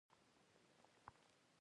قلم د پوهې سمبول دی